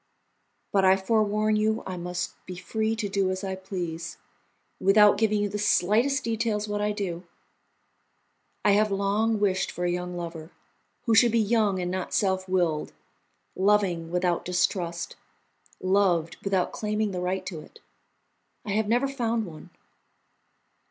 "But I forewarn you I must be free to do as I please, without giving you the slightest details what I do. I have long wished for a young lover, who should be young and not self willed, loving without distrust, loved without claiming the right to it. I have never found one.